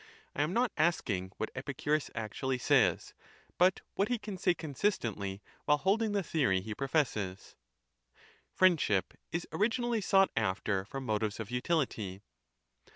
I am not asking what Epicurus actually says, but what he can say consistently while holding the theory lie pro fesses. Friendship is originally sought after from motives of utility.'